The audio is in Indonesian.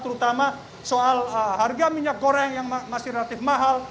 terutama soal harga minyak goreng yang masih relatif mahal